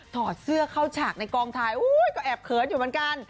อดเสื้อเข้าฉากในกองถ่ายก็แอบเขินอยู่เหมือนกัน